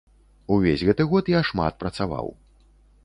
Увесь гэты год я шмат працаваў.